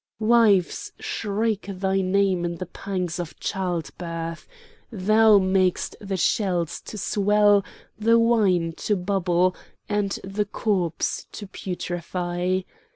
Wives shriek thy name in the pangs of childbirth! Thou makest the shells to swell, the wine to bubble, and the corpse to putrefy!